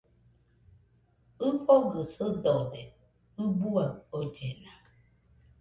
ɨfogɨ sɨdode ɨbuaɨ ollena